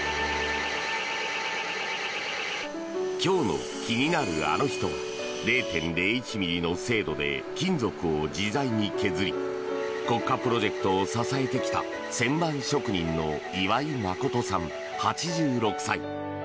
今日の気になるアノ人は０．０１ｍｍの精度で金属を自在に削り国家プロジェクトを支えてきた旋盤職人の岩井仁さん、８６歳。